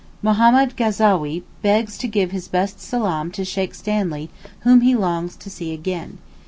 Mohammed Gazowee begs to give his best Salaam to Sheykh Stanley whom he longs to see again.